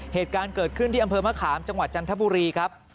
เหตุการณ์เกิดขึ้นที่อำเภอมะขามจังหวัดจันทบุรีครับ